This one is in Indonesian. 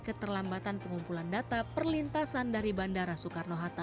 keterlambatan pengumpulan data perlintasan dari bandara soekarno hatta